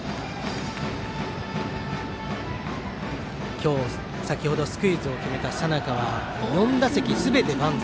今日先ほどスクイズを決めた佐仲は４打席すべてバント。